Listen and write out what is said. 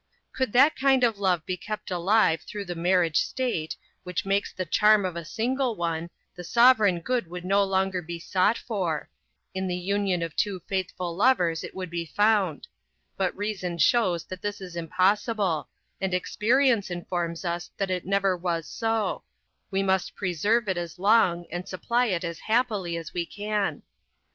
Could that kind of love be kept alive through the marriage state, which makes the charm of a single one, the sovereign good would no longer be sought for; in the union of two faithful lovers it would be found: but reason shows that this is impossible, and experience informs us that it never was so; we must preserve it as long, and supply it as happily as we can.